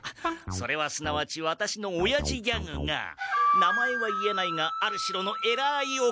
それはすなわちワタシのおやじギャグが名前は言えないがある城のえらいお方にひょうかされ。